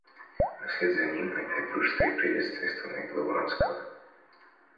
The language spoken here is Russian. Но вслед за ним опять дружеское приветствие остановило Вронского.